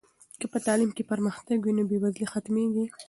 که په تعلیم کې پرمختګ وي نو بې وزلي ختمېږي.